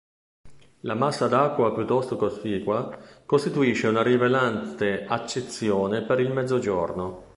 La massa d'acqua piuttosto cospicua costituisce una rilevante accezione per il mezzogiorno.